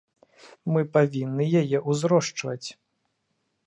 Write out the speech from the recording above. Мы павінны яе ўзрошчваць.